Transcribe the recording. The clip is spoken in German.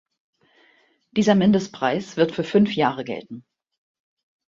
Dieser Mindestpreis wird für fünf Jahre gelten.